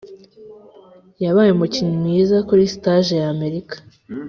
yabaye umukinnyi mwiza kuri stage ya amerika.